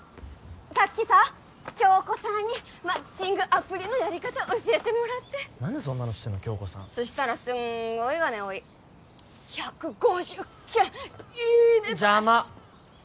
さっきさ響子さんにマッチングアプリのやり方教えてもらって何でそんなの知ってんの響子さんそしたらすんごいがねおい１５０件いいね！ばい邪魔！